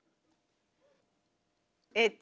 えっと。